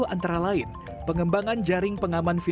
antara lain pengembangan jaring pengaman video